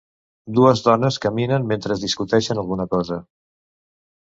Dues dones caminen mentre discuteixen alguna cosa.